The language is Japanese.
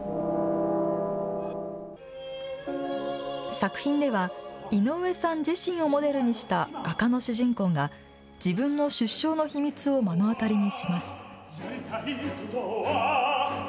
作品では井上さん自身をモデルにした画家の主人公が自分の出生の秘密を目の当たりにします。